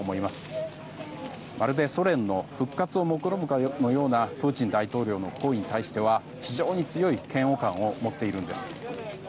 まるでソ連の復活をもくろむかのようなプーチン大統領の行為に対しては非常に強い嫌悪感を持っているんです。